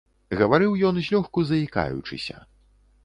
Гаварыў ён злёгку заікаючыся.